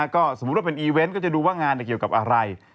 ก็สมมุติว่าเป็นอีเวนต์ก็จะดูว่างานเกี่ยวกับอะไร